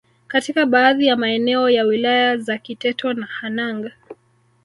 katika baadhi ya maeneo ya Wilaya za Kiteto na Hanang